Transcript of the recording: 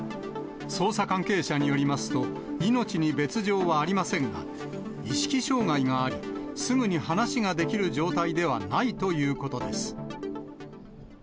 捜査関係者によりますと、命に別状はありませんが、意識障害があり、すぐに話ができる状態ではないということです。